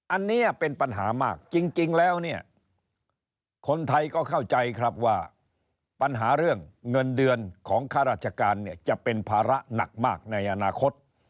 อันนี้เป็นปัญหามากจริงแล้วเนี่ยคนไทยก็เข้าใจครับว่าปัญหาเรื่องเงินเดือนของข้าราชการเนี่ยจะเป็นภาระหนักมากในอนาคต